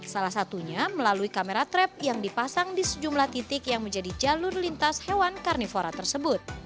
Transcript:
salah satunya melalui kamera trap yang dipasang di sejumlah titik yang menjadi jalur lintas hewan karnivora tersebut